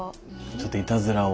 ちょっといたずらを。